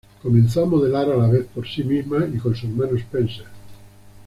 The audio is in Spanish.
Comenzó a modelar a la vez por sí misma y con su hermano Spencer.